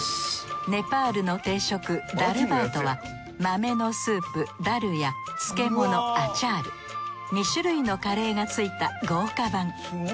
ネパールの定食ダルバートは豆のスープダルや漬物アチャール２種類のカレーがついた豪華版。